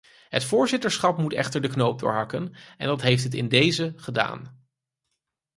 Het voorzitterschap moet echter de knoop doorhakken en dat heeft het in dezen gedaan.